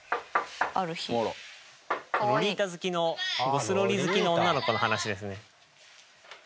ロリータ好きのゴスロリ好きの女の子の話ですね。